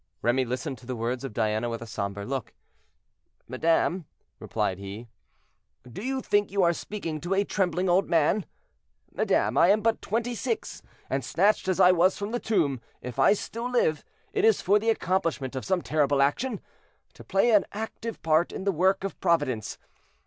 Remy listened to the words of Diana with a somber look. "Madame," replied he, "do you think you are speaking to a trembling old man? Madame, I am but twenty six; and snatched as I was from the tomb, if I still live, it is for the accomplishment of some terrible action—to play an active part in the work of Providence.